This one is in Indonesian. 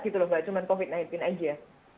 gitu loh nggak cuma covid sembilan belas aja